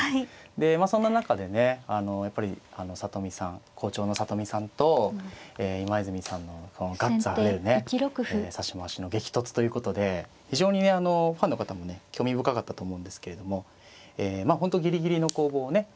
でまあそんな中でねあのやっぱり好調の里見さんと今泉さんのこのガッツあふれるね指し回しの激突ということで非常にねファンの方もね興味深かったと思うんですけれどもまあ本当ギリギリの攻防をね